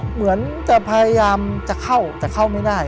เหมือนจะพยายามจะเข้าแต่เข้าไม่ได้